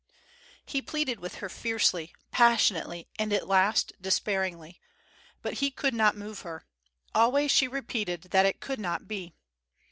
He pleaded with her, fiercely, passionately, and at last despairingly. But he could not move her. Always she repeated that it could not be.